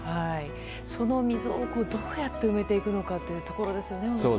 その溝をどうやって埋めていくのかというところですよね。